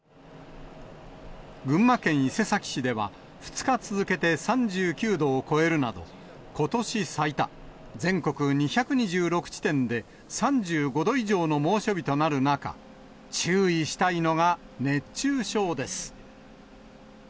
群馬県伊勢崎市では、２日続けて３９度を超えるなど、ことし最多、全国２２６地点で３５度以上の猛暑日となる中、注意したいのが熱中症です。